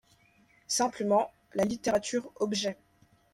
Simplement: la littérature-objet!